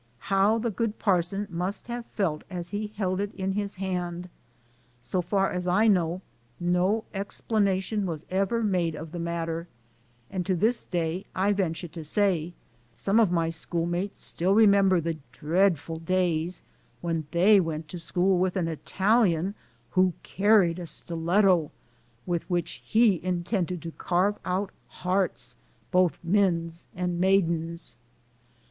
How the good parson must have felt as he held it in his hand! So far as I know, no explanation was ever made of the matter, and to this day, I venture to say, some of my schoolmates still remember the dreadful days when they went to school with an Italian who carried a stilletto with which he in tended to carve out hearts, both men's and maidens'